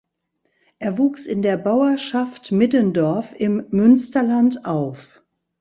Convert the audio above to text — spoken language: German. Er wuchs in der Bauerschaft Middendorf im Münsterland auf.